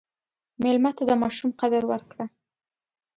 مېلمه ته د ماشوم قدر ورکړه.